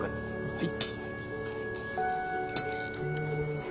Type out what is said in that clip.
はい。